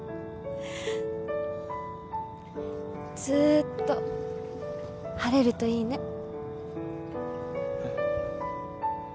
ずーっと晴れるといいね